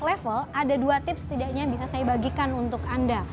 level ada dua tips setidaknya yang bisa saya bagikan untuk anda